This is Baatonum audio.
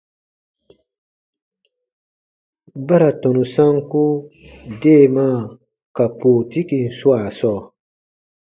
Ba ra tɔnu sanku deemaa ka pootikin swaa sɔɔ.